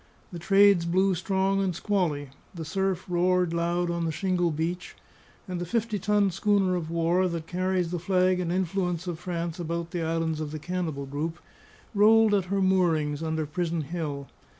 The trades blew strong and squally; the surf roared loud on the shingle beach; and the fifty ton schooner of war, that carries the flag and influence of France about the islands of the cannibal group, rolled at her moorings under Prison Hill.